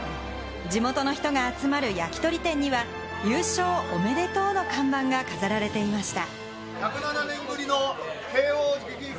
地元の人が集まる焼き鳥店には、「優勝おめでとう！」の看板が飾られていました。